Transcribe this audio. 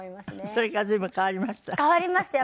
それから随分変わりました？